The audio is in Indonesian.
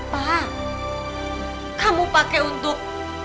apa kamu pakai untuk